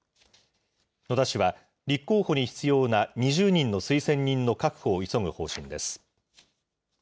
野田氏は立候補に必要な２０人の推薦人の確保を急ぐ方針です。